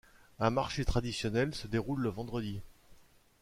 Un marché traditionnel se déroule le vendredi.